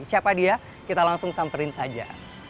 siapa dia kita langsung samperin saja